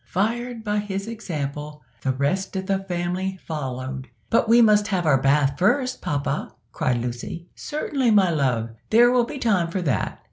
Fired by his example, the rest of the family followed. "But we must have our bathe first, papa," cried Lucy. "Certainly, my love, there will be time for that."